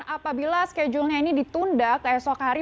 apabila schedule nya ini ditunda ke esok hari